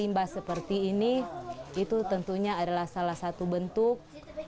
dan mengolah seperti ini itu tentunya adalah salah satu bentuk